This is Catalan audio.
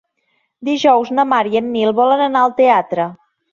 Dijous na Mar i en Nil volen anar al teatre.